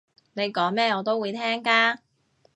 你講咩我都會聽㗎